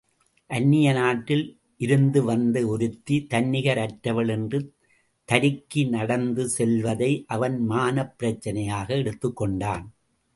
அந்நிய நாட்டில் இருந்துவந்த ஒருத்தி தன்னிகர் அற்றவள் என்று தருக்கி நடந்து செல்வதை அவன் மானப் பிரச்சனையாக எடுத்துக்கொண்டான்.